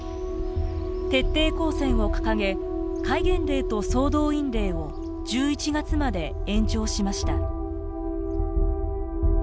徹底抗戦を掲げ戒厳令と総動員令を１１月まで延長しました。